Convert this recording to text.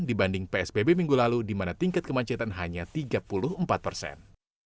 dibanding psbb minggu lalu di mana tingkat kemacetan hanya tiga puluh empat persen